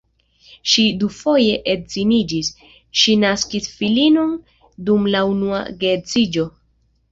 Ŝi dufoje edziniĝis, ŝi naskis filinon dum la unua geedziĝo.